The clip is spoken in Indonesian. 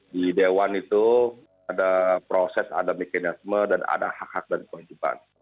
di dewan itu ada proses ada mekanisme dan ada hak hak dan kewajiban